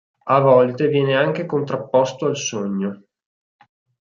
A volte viene anche contrapposta al sogno.